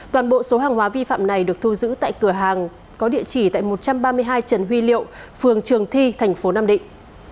toàn bộ số hàng hóa vi phạm này được thu giữ tại cửa hàng có địa chỉ tại một trăm ba mươi hai trần huy liệu phường trường thi thành phố nam định